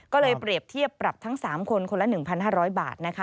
ก็เลยเปรียบเทียบปรับทั้ง๓คนคนละ๑๕๐๐บาทนะคะ